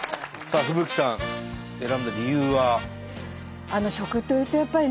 さあ風吹さん選んだ理由は？